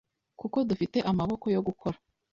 kuko dufite amaboko yo gukora